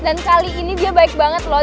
dan kali ini dia baik banget loh